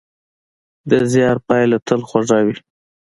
د زیار پایله تل خوږه وي.